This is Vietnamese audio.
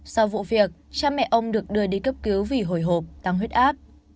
sau vụ việc cha mẹ ông được đưa đi cấp cứu vì hồi hộp tăng huyết áp